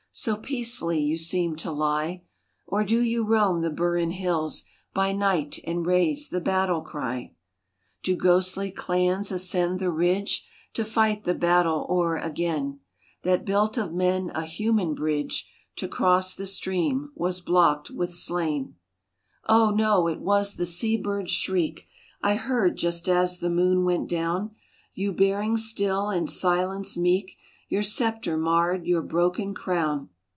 So peacefully you seem to lie. Or do you roam the Burren hills By night, and raise the battle cry ? Do ghostly clans ascend the ridge To fight the battle o'er again That built of men a human bridge To cross the stream was blocked with slain? CORCOMROE ii Oh ! no, it was the sea bird's shriek I heard just as the moon went down, You bearing still in silence meek Your sceptre marred, your broken crown.